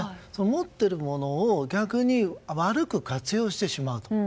持ってるものを逆に悪く活用してしまうと。